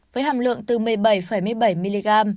với hàm lượng từ một mươi bảy bảy mg